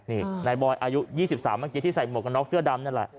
นี่นายบอยอายุ๒๓เมื่อกี้ที่ใส่หมวกกันน็อกเสื้อดำนั่นแหละ